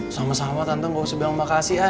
sama sama tante gak usah bilang makasih ya